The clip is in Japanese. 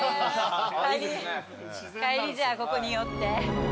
帰りじゃあここに寄って。